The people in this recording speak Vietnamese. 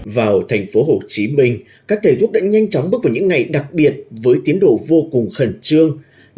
vào thành phố hồ chí minh các thầy thuốc đã nhanh chóng bước vào những ngày đặc biệt với tiến độ vô cùng khẩn trương